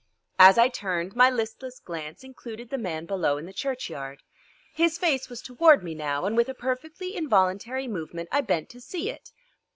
As I turned, my listless glance included the man below in the churchyard. His face was toward me now, and with a perfectly involuntary movement I bent to see it.